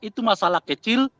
itu masalah kecil